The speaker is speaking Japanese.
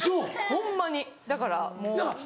ホンマにだからもう。